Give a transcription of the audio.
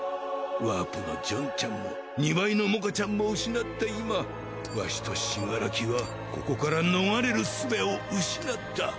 ワープのジョンちゃんも二倍のモカちゃんも失った今ワシと死柄木はここから逃れる術を失った。